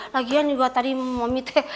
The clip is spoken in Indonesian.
lagian juga tadi mami teh